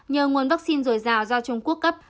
nhờ nguồn vaccine rồi rào do trung quốc cấp